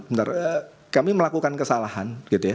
bentar kami melakukan kesalahan